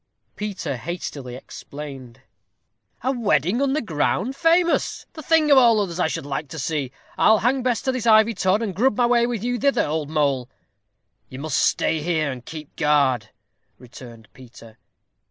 Peter hastily explained. "A wedding under ground? famous! the thing of all others I should like to see. I'll hang Bess to this ivy tod, and grub my way with you thither, old mole." "You must stay here, and keep guard," returned Peter.